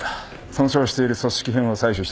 損傷している組織片を採取してくれ。